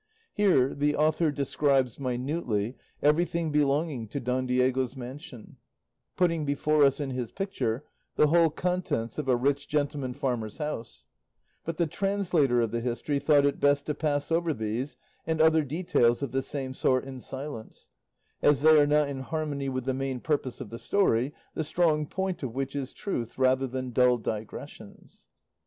Here the author describes minutely everything belonging to Don Diego's mansion, putting before us in his picture the whole contents of a rich gentleman farmer's house; but the translator of the history thought it best to pass over these and other details of the same sort in silence, as they are not in harmony with the main purpose of the story, the strong point of which is truth rather than dull digressions.